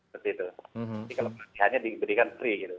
jadi kalau pelatihannya diberikan free gitu